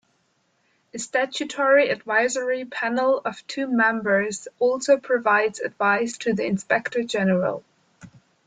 A statutory advisory panel of two members also provides advice to the Inspector-General.